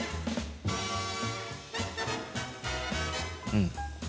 うん。